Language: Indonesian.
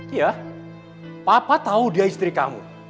iya papa tahu dia istri kamu